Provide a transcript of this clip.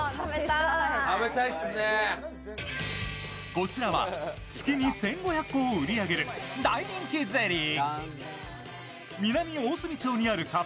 こちらは月に１５００個売り上げる大人気ゼリー。